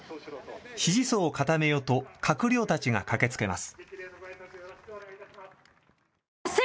支持層を固めようと閣僚たちが駆けつけます。